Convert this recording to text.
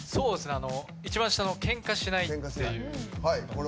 一番下の「ケンカしない」っていう。